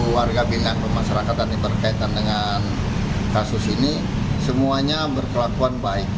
seluruh warga binaan pemasarakatan yang berkaitan dengan kasus ini semuanya berkelakuan baik